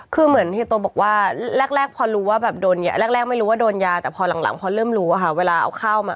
คือเหมือนเฮียโตบอกว่าแรกพอรู้ว่าแบบโดนอย่างนี้แรกไม่รู้ว่าโดนยาแต่พอหลังพอเริ่มรู้อะค่ะเวลาเอาข้าวมา